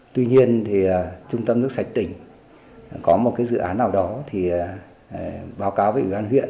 tuy nhiên thì trung tâm nước sạch tỉnh có một dự án nào đó thì báo cáo với ủy ban huyện